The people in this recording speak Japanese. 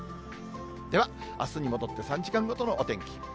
では、あすに戻って３時間ごとのお天気。